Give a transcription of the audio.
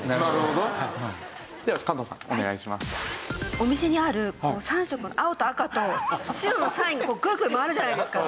お店にある３色の青と赤と白のサインクルクル回るじゃないですか。